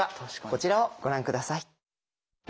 こちらをご覧下さい。